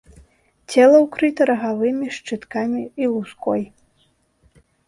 Цела ўкрыта рагавымі шчыткамі і луской.